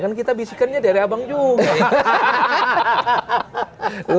kan kita bisikannya dari abang juga